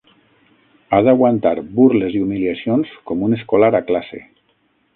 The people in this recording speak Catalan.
Ha d'aguantar burles i humiliacions com un escolar a classe.